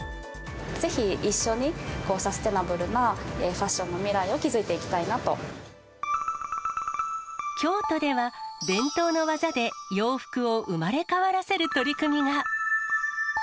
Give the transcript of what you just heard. ぜひ一緒にサステナブルなファッションの未来を築いていきた京都では、伝統の技で洋服を生まれ変わらせる取り組みが。